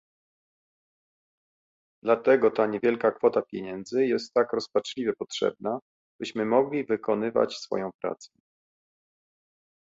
Dlatego ta niewielka kwota pieniędzy jest tak rozpaczliwie potrzebna, byśmy mogli wykonywać swoją pracę